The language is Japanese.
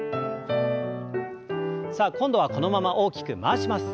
さあ今度はこのまま大きく回します。